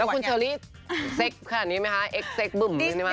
แล้วคุณเชอรี่เซ็กขนาดนี้ไหมคะเอ็กซ์เซ็กบึ่มอะไรแบบนี้บ้าง